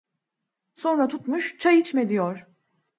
Sonra tutmuş "çay içme!" diyor.